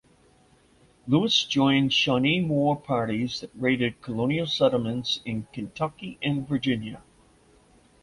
Lewis joined Shawnee war parties that raided colonial settlements in Kentucky and Virginia.